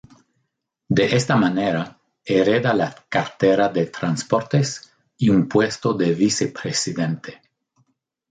De esta manera, hereda la cartera de Transportes y un puesto de vicepresidente.